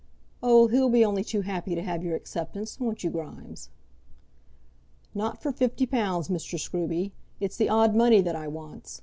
"Oh, he'll be only too happy to have your acceptance; won't you, Grimes." "Not for fifty pounds, Mr. Scruby. It's the odd money that I wants.